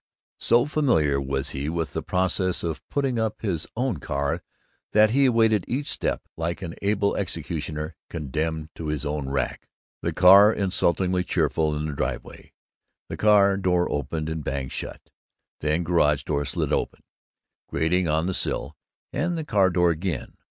So familiar was he with the process of putting up his own car that he awaited each step like an able executioner condemned to his own rack. The car insultingly cheerful on the driveway. The car door opened and banged shut, then the garage door slid open, grating on the sill, and the car door again.